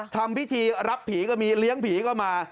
ทำพิธีรับผีก็มีเลี้ยงผีก็มา